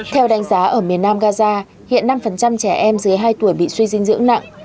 theo đánh giá ở miền nam gaza hiện năm trẻ em dưới hai tuổi bị suy dinh dưỡng nặng